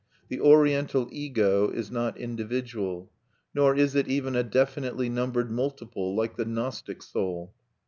The Oriental Ego is not individual. Nor is it* even a definitely numbered multiple like the Gnostic soul.